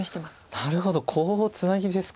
なるほどコウをツナギですか。